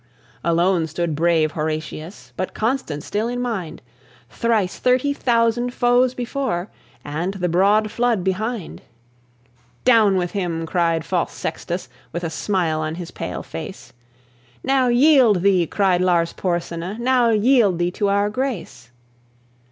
Alone stood brave Horatius, But constant still in mind; Thrice thirty thousand foes before, And the broad flood behind. "Down with him!" cried false Sextus, With a smile on his pale face. "Now yield thee," cried Lars Porsena, "Now yield thee to our grace."